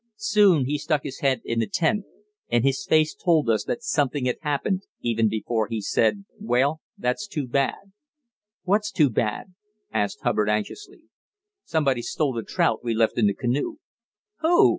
Soon he stuck his head in the tent, and his face told us something had happened even before he said: "Well, that's too bad." "What's too bad?" asked Hubbard anxiously. "Somebody's stole the trout we left in the canoe." "Who?"